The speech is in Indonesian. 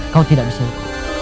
kau tidak bisa lukuk